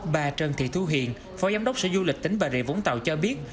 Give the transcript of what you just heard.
bà trần thị thu hiền phó giám đốc sở du lịch tỉnh bà rịa vũng tàu cho biết